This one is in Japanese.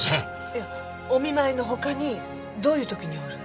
いやお見舞いの他にどういう時に折る？